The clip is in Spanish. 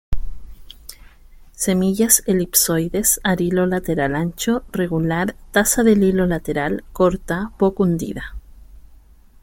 Semillas elipsoides, arilo lateral ancho, regular, taza del hilo lateral, corta, poco hundida.